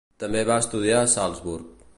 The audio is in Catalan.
També va estudiar a Salzburg.